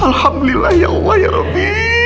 alhamdulillah ya allah ya rabi